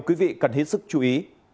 quý vị cần hết sức chú ý